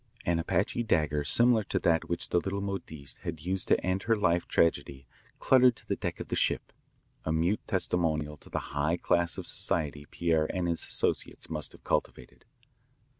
An Apache dagger similar to that which the little modiste had used to end her life tragedy clattered to the deck of the ship, a mute testimonial to the high class of society Pierre and his associates must have cultivated.